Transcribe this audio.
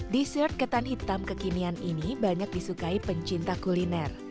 dessert ketan hitam kekinian ini banyak disukai pencinta kuliner